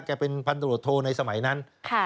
แกเป็นพาณรวดโทรในสมัยนั้น